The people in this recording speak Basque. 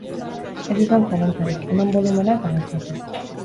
Ez izan zalantzarik, eman bolumena eta gozatu!